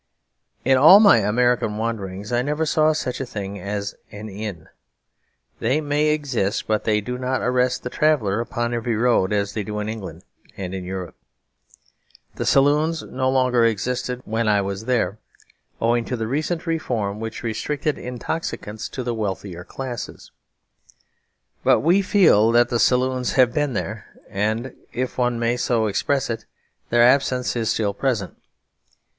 In all my American wanderings I never saw such a thing as an inn. They may exist; but they do not arrest the traveller upon every road as they do in England and in Europe. The saloons no longer existed when I was there, owing to the recent reform which restricted intoxicants to the wealthier classes. But we feel that the saloons have been there; if one may so express it, their absence is still present.